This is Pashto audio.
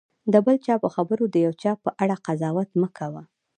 د بل چا په خبرو د یو چا په اړه قضاوت مه کوه.